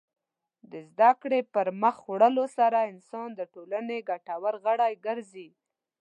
د زدهکړې پرمخ وړلو سره انسان د ټولنې ګټور غړی ګرځي.